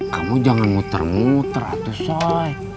kamu jangan nguter nguter tuh say